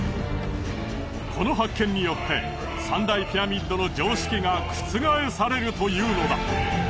この発見によって三大ピラミッドの常識が覆されるというのだ。